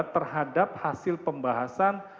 terhadap hasil pembahasan